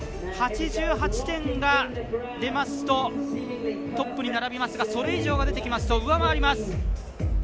８８点が出ますとトップに並びますがそれ以上が出てきますと上回ります。